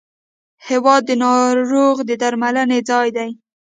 هېواد د ناروغ د درملنې ځای دی.